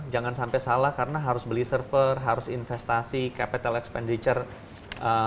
jangan sampai salah karena harus beli server harus investasi capital expenditure